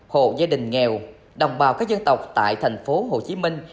hộ gia đình nghèo đồng bào các dân tộc tại thành phố hồ chí minh